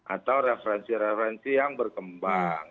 atau referensi referensi yang berkembang